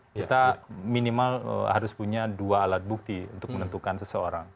kita minimal harus punya dua alat bukti untuk menentukan seseorang